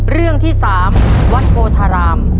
เรื่องที่๓วัดโพธาราม